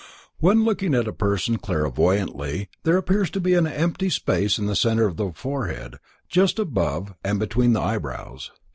When looking at a person clairvoyantly there appears to be an empty space in the center of the forehead just above and between the eyebrows.